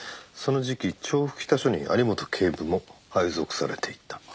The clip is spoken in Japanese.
その時期調布北署に有本警部も配属されていた。